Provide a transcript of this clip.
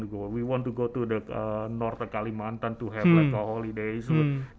kami ingin pergi ke kalimantan barat untuk berwawancara